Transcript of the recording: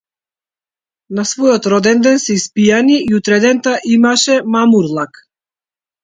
На својот роденден се испијани и утредента имаше мамурлак.